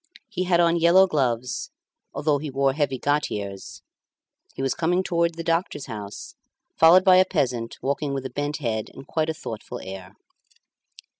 He had on yellow gloves, although he wore heavy gaiters; he was coming towards the doctor's house, followed by a peasant walking with a bent head and quite a thoughtful air.